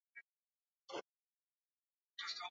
Wanyama waliokufa au Mizoga